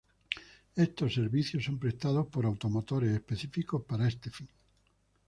Estos servicios son prestados por automotores específicos para este fin.